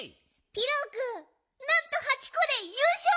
ピロくんなんと８こでゆうしょう！